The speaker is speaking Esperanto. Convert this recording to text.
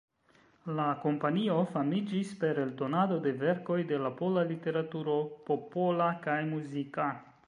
La kompanio famiĝis per eldonado de verkoj de la pola literaturo, popola kaj muzika.